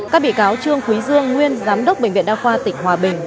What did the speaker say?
các bị cáo trương quý dương nguyên giám đốc bệnh viện đa khoa tỉnh hòa bình